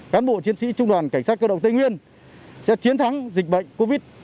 cán bộ chiến sĩ trung đoàn cảnh sát cơ động tây nguyên sẽ chiến thắng dịch bệnh covid